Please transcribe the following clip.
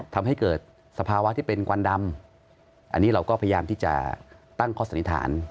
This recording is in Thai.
ทำให้เกิดสภาวะที่เป็นควันดำอันนี้เราก็พยายามที่จะตั้งข้อสันนิษฐาน